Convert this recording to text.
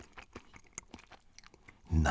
何？